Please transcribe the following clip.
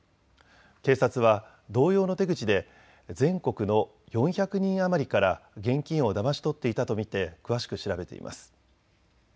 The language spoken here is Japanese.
警察は同様の手口で全国の４００人余りから現金をだまし取っていたと見て詳しく調べています。